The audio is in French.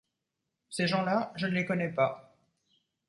Ces gens-là, je ne les connais pas.